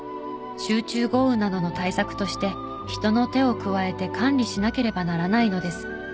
集中豪雨などの対策として人の手を加えて管理しなければならないのです。